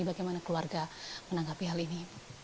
bagaimana keluarga menanggapi hal ini